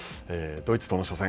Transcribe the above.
ドイツとの初戦。